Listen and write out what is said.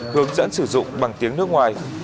hướng dẫn sử dụng bằng tiếng nước ngoài